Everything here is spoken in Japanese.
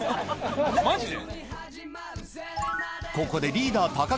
マジで？